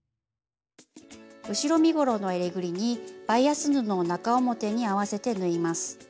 後ろ身ごろのえりぐりにバイアス布を中表に合わせて縫います。